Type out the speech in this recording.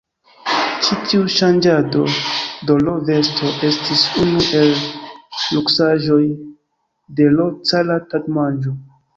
Ĉi tiu ŝanĝado de l' vesto estis unu el luksaĵoj de l' cara tagmanĝo.